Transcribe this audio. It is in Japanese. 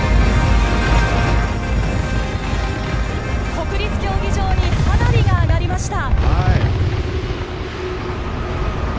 「国立競技場に花火が上がりました」。